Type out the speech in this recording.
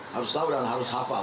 harus tahu dan harus hafal